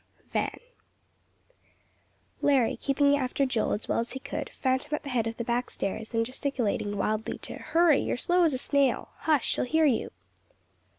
XII VAN Larry, keeping after Joel as well as he could, found him at the head of the back stairs, and gesticulating wildly to "Hurry, you're slow as a snail. Hush, she'll hear you!"